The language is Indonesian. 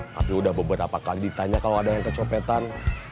tapi udah beberapa kali ditanya kalau ada yang kecopetan